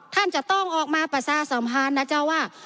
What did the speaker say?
ท่านจะต้องออกมาปราศาสมภารนะเจ้าว่า